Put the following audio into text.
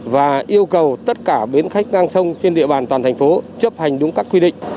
và yêu cầu tất cả bến khách ngang sông trên địa bàn toàn thành phố chấp hành đúng các quy định